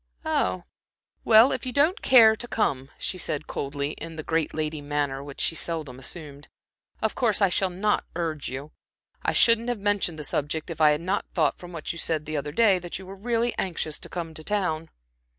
"Oh, well, if you don't care to come," she said, coldly, in the great lady manner which she seldom assumed, "of course I shall not urge you. I shouldn't have mentioned the subject, if I had not thought from what you said the other day, that you were really anxious to come to town."